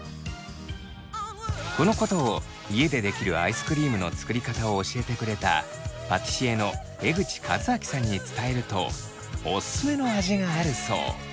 このことを家で出来るアイスクリームの作り方を教えてくれたパティシエの江口和明さんに伝えるとオススメの味があるそう。